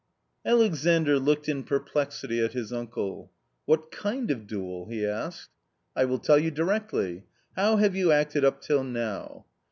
Alexandr looked in perplexity at his uncle. " What kind of duel ?" he asked. " I will tell you directly. How have you acted up till now?"